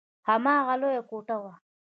هماغه لويه کوټه وه.